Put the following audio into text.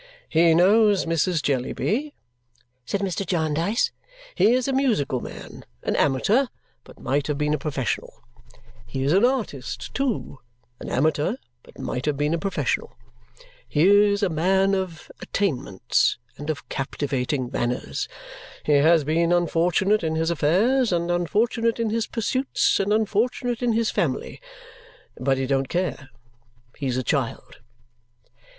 "He knows Mrs. Jellyby," said Mr. Jarndyce. "He is a musical man, an amateur, but might have been a professional. He is an artist too, an amateur, but might have been a professional. He is a man of attainments and of captivating manners. He has been unfortunate in his affairs, and unfortunate in his pursuits, and unfortunate in his family; but he don't care he's a child!"